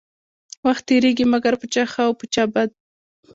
وخت تيريږي مګر په چا ښه او په چا بد.